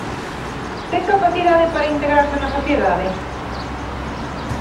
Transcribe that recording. Ten capacidade para integrarse na sociedade?